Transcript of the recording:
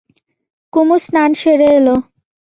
কুমু স্নান সেরে এল।